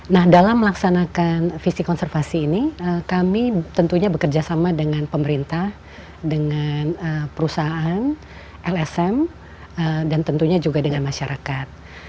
nah dalam melaksanakan visi konservasi ini kami tentunya bekerja sama dengan pemerintah dengan perusahaan lsm dan tentunya juga dengan masyarakat